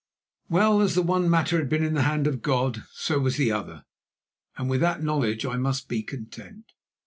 Well, as the one matter had been in the hand of God, so was the other, and with that knowledge I must be content.